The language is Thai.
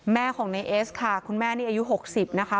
แม่ของในเอสค่ะคุณแม่นี่อายุ๖๐นะคะ